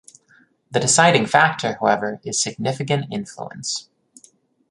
The deciding factor, however, is significant influence.